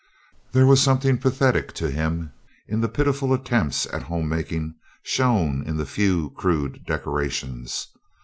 There was something pathetic to him in the pitiful attempts at home making shown in the few crude decorations.